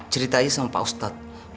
ceritain sama pak ustadz